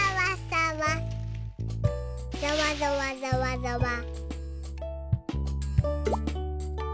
ざわざわざわざわ。